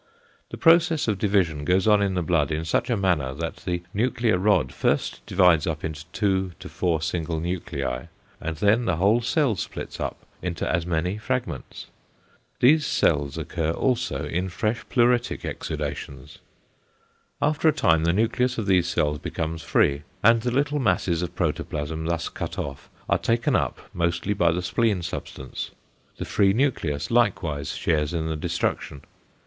The process of division goes on in the blood in such a manner that the nuclear rod first divides into two to four single nuclei, and then the whole cell splits up into as many fragments. These cells occur also in fresh pleuritic exudations. After a time the nucleus of these cells becomes free, and the little masses of protoplasm thus cut off are taken up mostly by the spleen substance. The free nucleus likewise shares in the destruction.